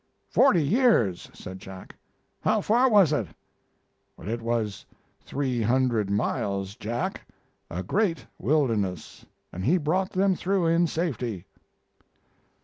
"Forty years!" said Jack. "How far was it?" "It was three hundred miles, Jack; a great wilderness, and he brought them through in safety."